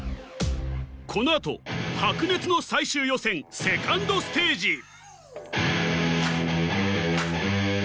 この後白熱の最終予選２ｎｄステージ